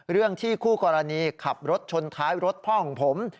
เรื่องที่คู่กรณีขับรถชนท้ายรถพ่อของผม